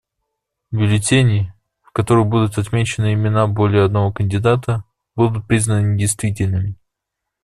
Бюллетени, в которых будут отмечены имена более одного кандидата, будут признаны недействительными.